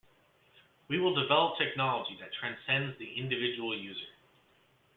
We will develop technology that transcends the individual user.